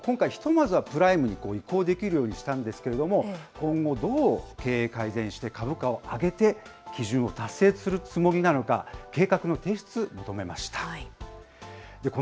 また基準に届かない東証１部の企業も今回ひとまずはプライムに移行できるようにしたんですけれども、今後、どう経営改善して、株価を上げて基準を達成するつもりなのか、計画の提出を求めました。